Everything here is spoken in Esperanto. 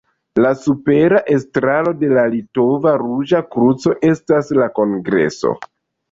La supera estraro de la Litova Ruĝa Kruco estas la kongreso.